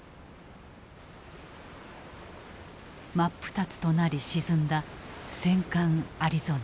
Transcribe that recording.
真っ二つとなり沈んだ戦艦アリゾナ。